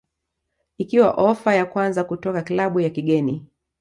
ikiwa ofa ya kwanza kutoka klabu ya kigeni